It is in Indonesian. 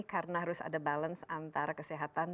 karena harus ada balance antara kesehatan